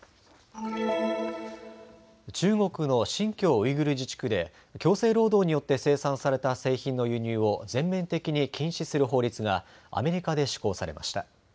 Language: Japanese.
中国の新疆ウイグル自治区で強制労働によって生産された製品の輸入を全面的に禁止する法律がアメリカで施行されました。